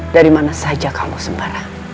dari mana saja kamu sembarang